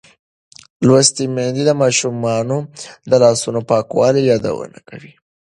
لوستې میندې د ماشومانو د لاسونو پاکولو یادونه کوي.